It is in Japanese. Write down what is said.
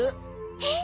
えっ？